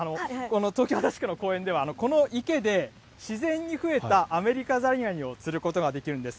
東京・足立区の公園では、この池で、自然に増えたアメリカザリガニを釣ることができるんです。